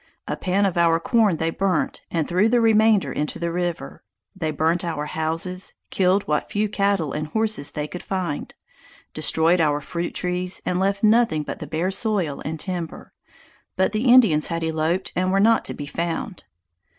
A pan of our corn they burnt, and threw the remainder into the river. They burnt our houses, killed what few cattle and horses they could find, destroyed our fruit trees, and left nothing but the bare soil and timber. But the Indians had eloped and were not to be found.